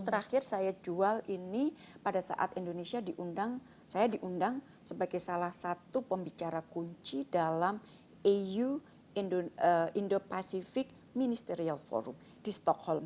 terakhir saya jual ini pada saat indonesia diundang saya diundang sebagai salah satu pembicara kunci dalam eu indo pacific ministerial forum di stockholm